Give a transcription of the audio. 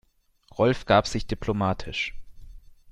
Rolf gab sich diplomatisch.